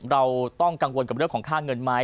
เราต้องกังวลกับเรื่องของค่าเงินไหม